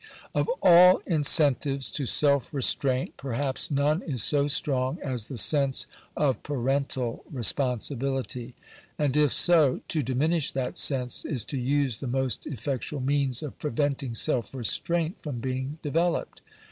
Of all incentives to self restraint, perhaps none is so strong as the sense of parental responsibility. And if so, to diminish that sense is to use the most effectual means of preventing self restraint from being developed.